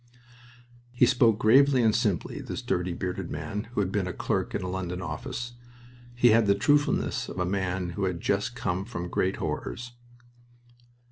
He spoke gravely and simply, this dirty, bearded man, who had been a clerk in a London office. He had the truthfulness of a man who had just come from great horrors.